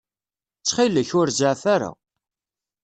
Ttxil-k, ur zeɛɛef ara.